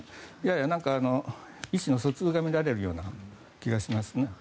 やや意思の疎通が乱れるような気がしますね。